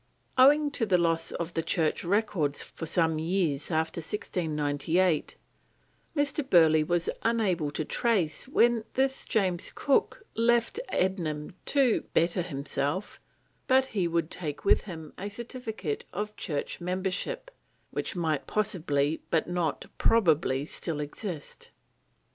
Owing to the loss of the church records for some years after 1698, Mr. Burleigh is unable to trace when this James Cook left Ednam to "better himself," but he would take with him a "testificate of church membership" which might possibly, but not probably, still exist.